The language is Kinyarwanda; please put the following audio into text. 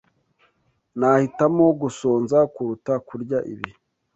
Nahitamo gusonza kuruta kurya ibi.